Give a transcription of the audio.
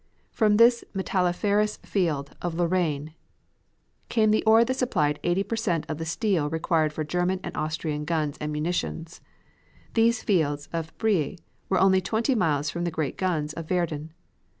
From this metalliferous field of Lorraine came the ore that supplied eighty per cent of the steel required for German and Austrian guns and munitions. These fields of Briey were only twenty miles from the great guns of Verdun.